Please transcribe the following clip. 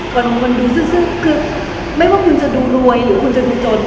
คนมีวงการดูซึ่งคือไม่ว่าคุณจะดูรวยหรือคุณจะดูจน